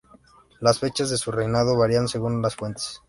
Las fechas de su reinado varían según las fuentes.